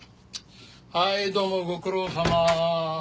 はいどうもご苦労さま。